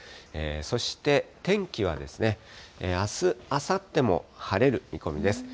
そして、天気はあす、あさっても晴れる見込みです。